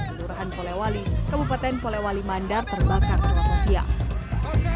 kelurahan polewali kabupaten polewali mandar terbakar selasa siang